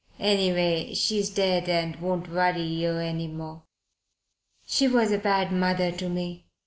Anyway, she's dead and won't worry yer any more." "She was a bad mother to me.